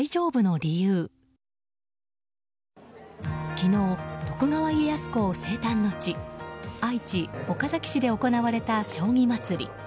昨日、徳川家康公生誕の地愛知・岡崎市で行われた将棋まつり。